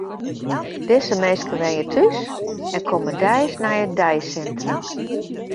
Dizze minsken wenje thús en komme deis nei it deisintrum.